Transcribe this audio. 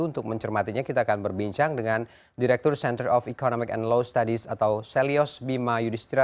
untuk mencermatinya kita akan berbincang dengan direktur center of economic and law studies atau selios bima yudhistira